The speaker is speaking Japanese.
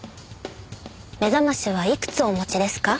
目覚ましはいくつお持ちですか？